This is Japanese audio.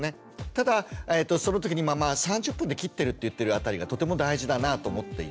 ただその時に３０分で切ってるって言ってる辺りがとても大事だなと思っていて。